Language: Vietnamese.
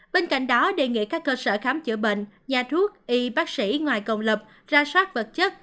bên cạnh đó đề nghị các cơ sở khám chữa bệnh nhà thuốc y bác sĩ ngoài công lập ra soát vật chất